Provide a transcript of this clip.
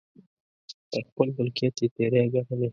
پر خپل ملکیت یې تېری ګڼلی.